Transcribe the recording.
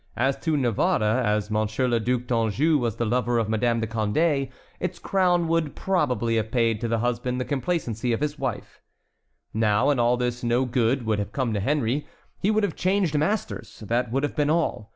As to Navarre, as Monsieur le Duc d'Anjou was the lover of Madame de Condé, its crown would probably have paid to the husband the complacency of his wife. Now in all this no good would have come to Henry. He would have changed masters, that would have been all.